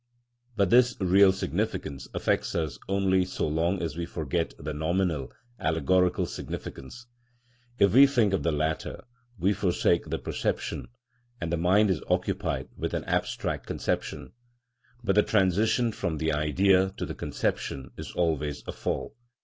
But this real significance affects us only so long as we forget the nominal, allegorical significance; if we think of the latter, we forsake the perception, and the mind is occupied with an abstract conception; but the transition from the Idea to the conception is always a fall.